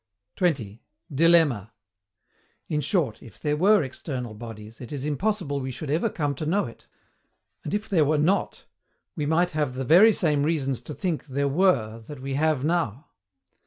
20. DILEMMA. In short, if there were external bodies, it is impossible we should ever come to know it; and if there were not, we might have the very same reasons to think there were that we have now.